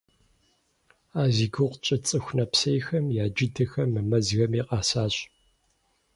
А зи гугъу тщӏы цӏыху нэпсейхэм я джыдэхэр мы мэзхэми къэсащ.